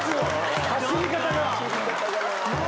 ・走り方が。